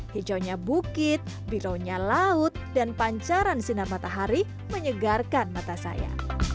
hijaunya bukit bironya laut dan pancaran sinar matahari menyegarkan mata saya